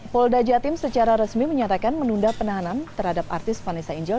polda jatim secara resmi menyatakan menunda penahanan terhadap artis vanessa angel